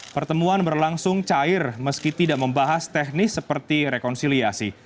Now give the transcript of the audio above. pertemuan berlangsung cair meski tidak membahas teknis seperti rekonsiliasi